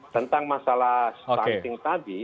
tentang masalah stunting tadi